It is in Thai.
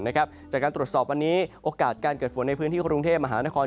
จากการตรวจสอบวันนี้โอกาสการเกิดฝนในพื้นที่กรุงเทพมหานคร